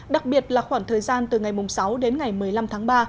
đặc biệt là khoảng thời gian từ ngày sáu đến ngày một mươi năm tháng ba